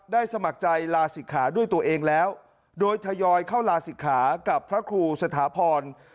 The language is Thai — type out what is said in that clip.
สมัครใจลาศิกขาด้วยตัวเองแล้วโดยทยอยเข้าลาศิกขากับพระครูสถาพร